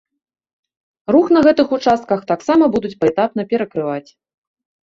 Рух на гэтых участках таксама будуць паэтапна перакрываць.